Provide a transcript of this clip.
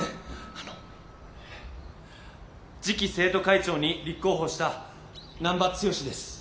あのえ次期生徒会長に立候補した難破剛です。